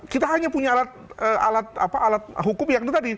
kita hanya punya alat hukum yang itu tadi